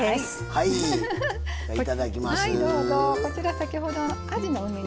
はい。